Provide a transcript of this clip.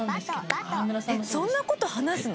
そんな事話すの！？